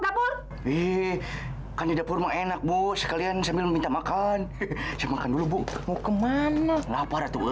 dapur ih kan di dapur enak bos kalian sambil minta makan makan dulu bu mau kemana lapar